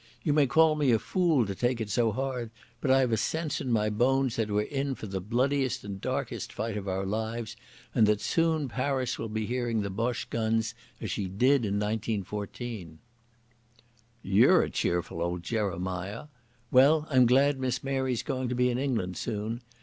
You may call me a fool to take it so hard, but I've a sense in my bones that we're in for the bloodiest and darkest fight of our lives, and that soon Paris will be hearing the Boche guns as she did in 1914." "You're a cheerful old Jeremiah. Well, I'm glad Miss Mary's going to be in England soon.